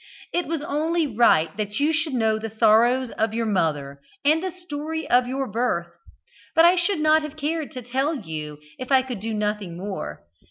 It was only right that you should know the sorrows of your mother, and the story of your birth, but I should not have cared to tell you if I could do nothing more.